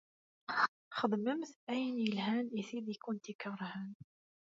Xedmemt ayen ilhan i tid i kent-ikeṛhen.